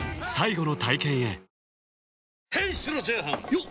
よっ！